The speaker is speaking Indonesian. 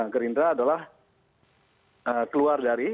gerindra adalah keluar dari